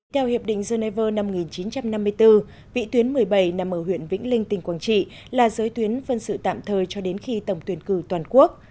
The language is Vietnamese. theo hiệp định geneva năm một nghìn chín trăm năm mươi bốn vị tuyến một mươi bảy nằm ở huyện vĩnh linh tỉnh quảng trị là giới tuyến phân sự tạm thời cho đến khi tổng tuyển cử toàn quốc